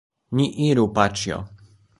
Ni iru, paĉjo.